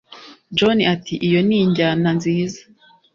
John ati Iyo ni injyana nziza